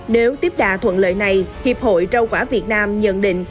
nếu tiếp đà thuận lợi này hiệp hội rau quả việt nam nhận định